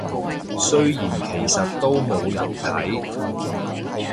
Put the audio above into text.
雖然其實都冇人睇